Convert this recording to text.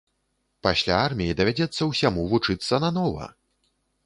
Пасля арміі давядзецца ўсяму вучыцца нанова!